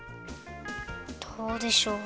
どうでしょう？